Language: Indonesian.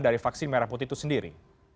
dari vaksin merah putih itu sendiri